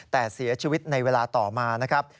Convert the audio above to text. แต่เสียชีวิตในเวลาต่อมานะครับ